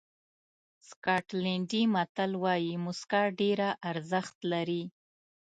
سکاټلېنډي متل وایي موسکا ډېره ارزښت لري.